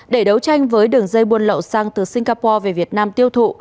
để đấu tranh với đường dây buôn lậu xăng từ singapore về việt nam tiêu thụ